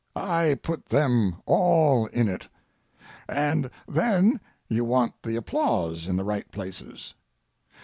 I put them all in it. And then you want the applause in the right places.